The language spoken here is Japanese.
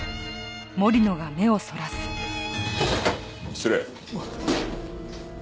失礼。